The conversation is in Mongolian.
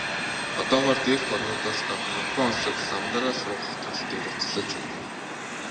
Одоогоор дээрх орнуудаас гадна Япон улсад лам нараа сургах тал дээр ажиллаж байна.